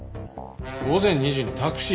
午前２時にタクシー？